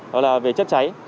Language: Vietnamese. đó là về chất cháy